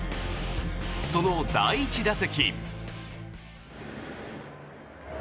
その第１打席。